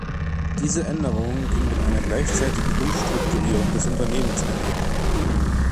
Diese Änderung ging mit einer gleichzeitigen Umstrukturierung des Unternehmens einher.